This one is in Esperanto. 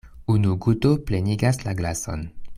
Unu guto plenigas la glason.